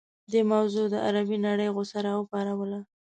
دې موضوع د عربي نړۍ غوسه راوپاروله.